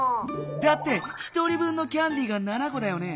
だって１人分のキャンディーが７こだよね？